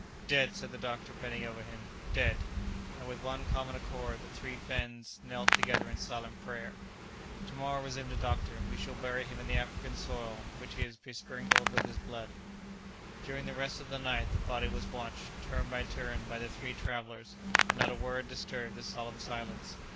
"Dead!" said the doctor, bending over him, "dead!" And with one common accord, the three friends knelt together in silent prayer. "To morrow," resumed the doctor, "we shall bury him in the African soil which he has besprinkled with his blood." During the rest of the night the body was watched, turn by turn, by the three travellers, and not a word disturbed the solemn silence.